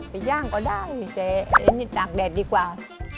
ย่างก็ได้แต่นี่ตากแดดดีกว่า